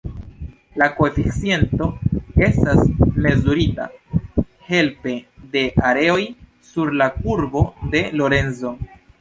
La koeficiento estas mezurita helpe de areoj sur la Kurbo de Lorenzo.